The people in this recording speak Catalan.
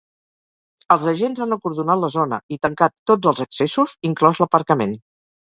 Els agents han acordonat la zona i tancat tots els accessos, inclòs l’aparcament.